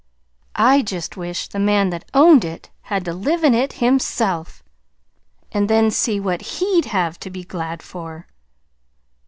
I just wish the man that owned it had to live in it himself and then see what he'd have to be glad for!"